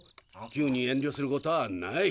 九に遠慮することはない。